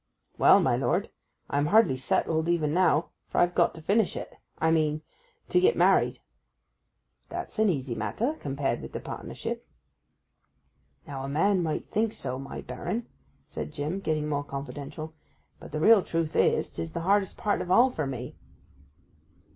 'Well, my lord; I am hardly settled, even now. For I've got to finish it—I mean, to get married.' 'That's an easy matter, compared with the partnership.' 'Now a man might think so, my baron,' said Jim, getting more confidential. 'But the real truth is, 'tis the hardest part of all for me.